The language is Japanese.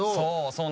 そう。